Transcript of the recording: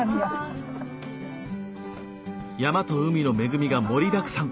山と海の恵みが盛りだくさん！